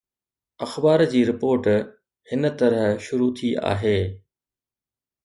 اخبار جي رپورٽ هن طرح شروع ٿي آهي